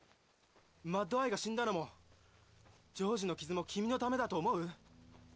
マッド−アイが死んだのもジョージの傷も君のためだと思う？